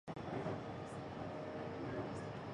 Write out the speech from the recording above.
僕が僕であることは誰も知らない